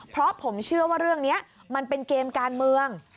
เพราะผมเชื่อว่าเรื่องนี้มันเป็นเกมการเมือง